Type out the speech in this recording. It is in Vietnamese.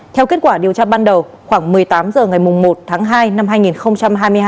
theo kết quả điều tra ban đầu khoảng một mươi tám h ngày một tháng hai năm hai nghìn hai mươi hai